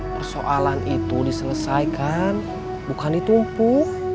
persoalan itu diselesaikan bukan ditumpu